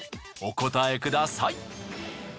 お答えください。